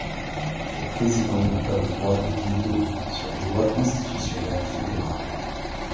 Le président n'a pas de droit de veto sur les lois constitutionnelles fédérales.